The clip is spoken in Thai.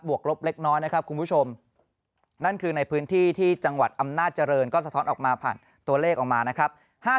กลบเล็กน้อยนะครับคุณผู้ชมนั่นคือในพื้นที่ที่จังหวัดอำนาจเจริญก็สะท้อนออกมาผ่านตัวเลขออกมานะครับ